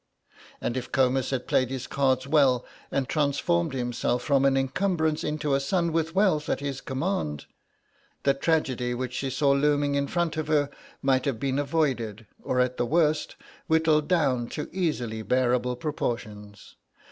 And if Comus had played his cards well and transformed himself from an encumbrance into a son with wealth at his command, the tragedy which she saw looming in front of her might have been avoided or at the worst whittled down to easily bearable proportions.